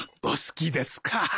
お好きですか？